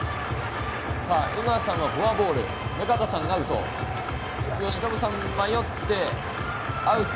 江川さんはフォアボール、中畑さんはアウト、由伸さんは迷ってアウト。